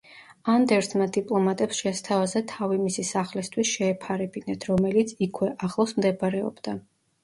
ანდერსმა დიპლომატებს შესთავაზა, თავი მისი სახლისთვის შეეფარებინათ, რომელიც იქვე, ახლოს მდებარეობდა.